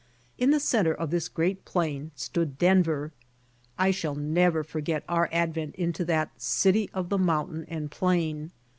In the center of this great plain stood Denver. I shall never forget our advent into that "City of the Mountain and Plain."